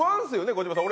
児嶋さん